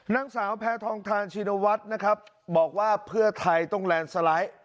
นางสาวแพทองทานชินวัฒน์นะครับบอกว่าเพื่อไทยต้องแลนด์สไลด์